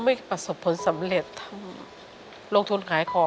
มันจะหลับไปเลย